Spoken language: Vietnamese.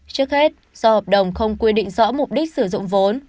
trước hết do hợp đồng không quy định rõ mục đích sử dụng vốn